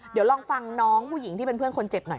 เดี๋ยวลองฟังน้องผู้หญิงที่เป็นเพื่อนคนเจ็บหน่อย